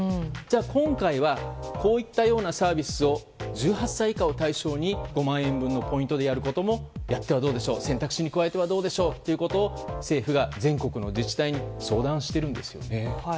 今回はこういったようなサービスを１８歳以下を対象に５万円分のポイントでやることもやってはどうでしょう選択肢に加えてはどうでしょうと政府が全国の自治体に相談しているんですよね。